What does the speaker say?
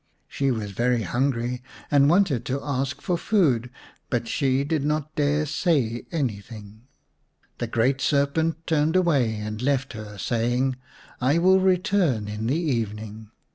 She was very hungry and wanted to ask for food, but she did not dare say anything. The great serpent turned away and left her, saying : "I will return in the evening.